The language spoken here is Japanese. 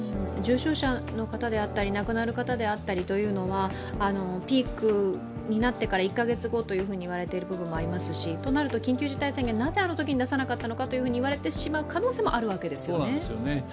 重症者の方であったり、亡くなる方であったりというのはピークになってから１カ月後と言われている部分もありますしとなると緊急事態宣言なぜあのときに出さなかったのかと言われてしまう可能性もあるわけですよね。